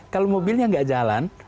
kalau mobilnya gak jalan